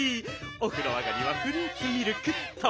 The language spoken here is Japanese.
「お風呂あがりはフルーツミルク」っと。